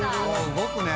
「動くね」